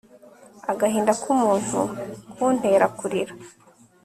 agahinda k'umuntu kuntera kurira